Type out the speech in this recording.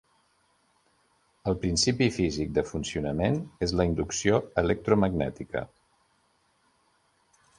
El principi físic de funcionament és la inducció electromagnètica.